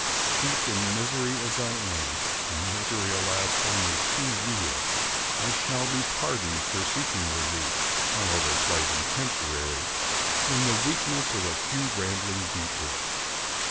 Steeped in misery as I am—misery, alas! only too real—I shall be pardoned for seeking relief, however slight and temporary, in the weakness of a few rambling details.